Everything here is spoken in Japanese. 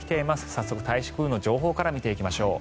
早速、台風の情報から見ていきましょう。